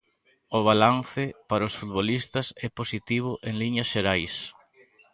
O balance, para os futbolistas, é positivo en liñas xerais.